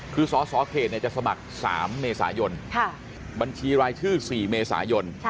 คือสสเขตจะสมัคร๓เมษายนบัญชีรายชื่อ๔เมษายน